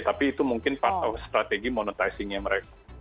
tapi itu mungkin pato strategi monetizingnya mereka